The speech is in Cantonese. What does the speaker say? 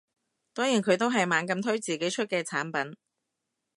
當然佢都係猛咁推自己出嘅產品